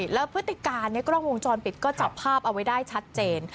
แล้วพฤติการกล้องวงจรปิดก็จับภาพเอาไว้ได้ชัดเจน